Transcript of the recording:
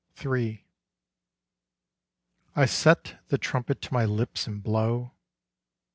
3 I set the trumpet to my lips and blow.